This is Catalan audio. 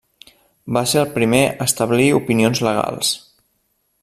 Va ser el primer a establir opinions legals.